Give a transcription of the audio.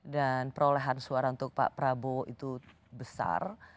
dan perolehan suara untuk pak prabowo itu besar